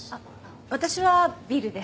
私はビールで。